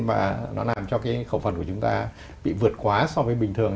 mà nó làm cho cái khẩu phần của chúng ta bị vượt quá so với bình thường